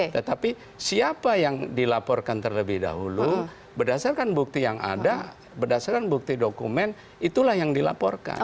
tetapi siapa yang dilaporkan terlebih dahulu berdasarkan bukti yang ada berdasarkan bukti dokumen itulah yang dilaporkan